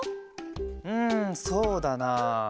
うんそうだなあ。